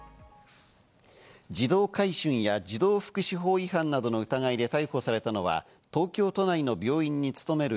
児童買春や児童福祉法違反などの疑いで逮捕されたのは、東京都内の病院に勤める